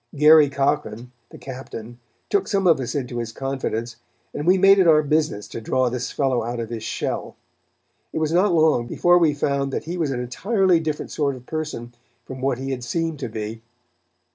Garry Cochran, the captain, took some of us into his confidence, and we made it our business to draw this fellow out of his shell. It was not long before we found that he was an entirely different sort of a person from what he had seemed to be.